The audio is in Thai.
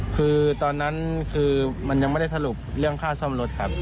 คือตอนนั้นคือมันยังไม่ได้สรุปเรื่องค่าซ่อมรถครับ